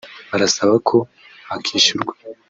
barasaba ko bakwishyurwa